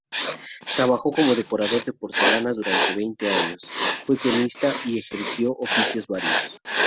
Trabajó como decorador de porcelanas durante veinte años, fue pianista y ejerció oficios varios.